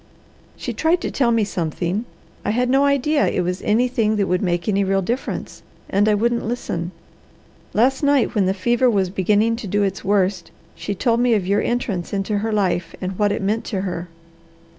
She tried to tell me something; I had no idea it was anything that would make any real difference, and I wouldn't listen. Last night, when the fever was beginning to do its worst, she told me of your entrance into her life and what it meant to her.